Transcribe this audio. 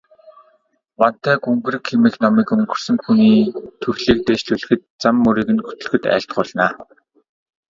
Вантай гүнгэрэг хэмээх номыг өнгөрсөн хүний төрлийг дээшлүүлэхэд, зам мөрийг нь хөтлөхөд айлтгуулна.